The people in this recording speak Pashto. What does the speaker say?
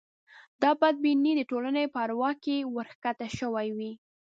دا بدبینۍ د ټولنې په اروا کې ورکښته شوې وې.